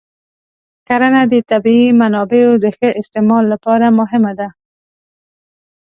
کرنه د طبیعي منابعو د ښه استعمال لپاره مهمه ده.